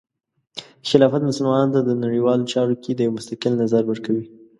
خلافت مسلمانانو ته د نړیوالو چارو کې د یو مستقل نظر ورکوي.